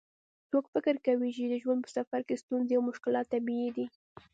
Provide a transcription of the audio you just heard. څوک فکر کوي چې د ژوند په سفر کې ستونزې او مشکلات طبیعي دي